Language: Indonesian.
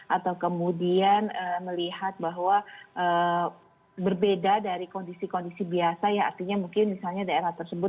atau kemudian melihat bahwa berbeda dari kondisi kondisi biasa ya artinya mungkin misalnya daerah tersebut